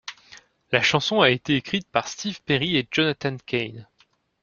La chanson a été écrite par Steve Perry et Jonathan Cain.